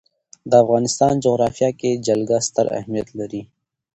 د افغانستان جغرافیه کې جلګه ستر اهمیت لري.